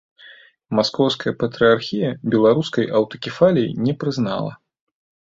Маскоўская патрыярхія беларускай аўтакефаліі не прызнала.